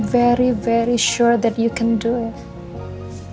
tapi aku sangat yakin kamu bisa